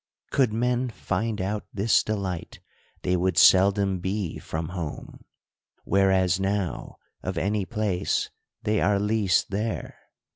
Could men find out this delight, they w^ould seldom be from home ; w^hereas now, of any place, they are least there.